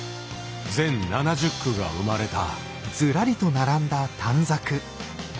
全７０句が生まれた。